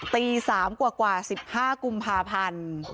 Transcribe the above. ตี๓กว่า๑๕กุมภาพันธ์